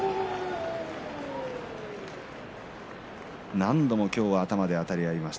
何度も今日は頭であたり合いました。